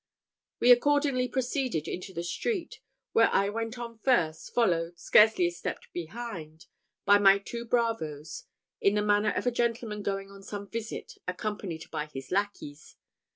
We accordingly proceeded into the street, where I went on first, followed, scarcely a step behind, by my two bravoes, in the manner of a gentleman going on some visit accompanied by his lackeys.